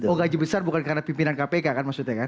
oh gaji besar bukan karena pimpinan kpk kan maksudnya kan